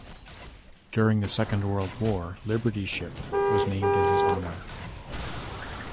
During the Second World War, liberty ship was named in his honor.